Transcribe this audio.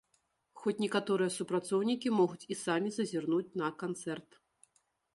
Хоць некаторыя супрацоўнікі могуць і самі зазірнуць на канцэрт.